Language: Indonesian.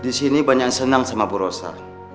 di sini banyak senang sama bu rosa